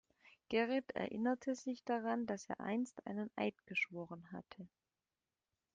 Gerrit erinnerte sich daran, dass er einst einen Eid geschworen hatte.